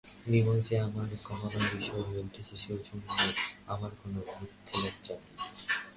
বিমল যে আমার কামনার বিষয় হয়ে উঠেছে সেজন্যে আমার কোনো মিথ্যে লজ্জা নেই।